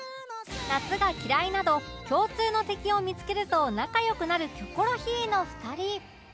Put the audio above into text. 「夏が嫌い」など共通の敵を見付けると仲良くなるキョコロヒーの２人